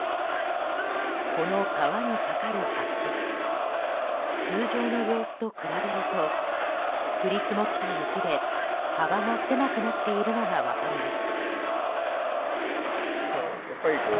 この川に架かる橋通常の様子と比べると降り積もった雪で幅が狭くなっているのが分かります。